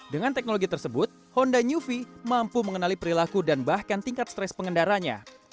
dengan teknologi tersebut honda new v mampu mengenali perilaku dan bahkan tingkat stres pengendaranya